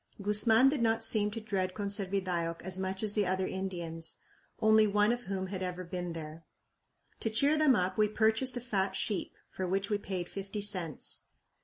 Guzman did not seem to dread Conservidayoc as much as the other Indians, only one of whom had ever been there. To cheer them up we purchased a fat sheep, for which we paid fifty cents.